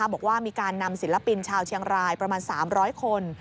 บอกว่ามีการนำศิลปินชาวเชียงรายประมาณ๓๐๐คน